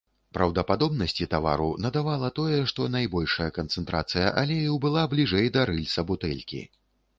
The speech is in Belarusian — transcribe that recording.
Праўдападобнасці тавару надавала тое, што найбольшая канцэнтрацыя алею была бліжэй да рыльца бутэлькі.